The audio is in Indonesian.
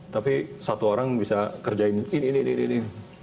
tapi satu orang bisa kerjain ini ini ini